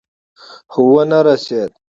خو ونه رسېد.